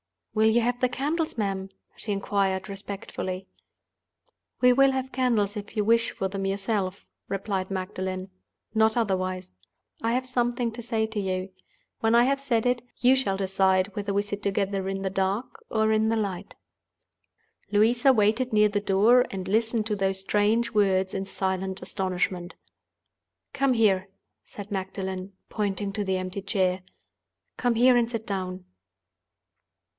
"Will you have the candles, ma'am?" she inquired, respectfully. "We will have candles if you wish for them yourself," replied Magdalen; "not otherwise. I have something to say to you. When I have said it, you shall decide whether we sit together in the dark or in the light." Louisa waited near the door, and listened to those strange words in silent astonishment. "Come here," said Magdalen, pointing to the empty chair; "come here and sit down."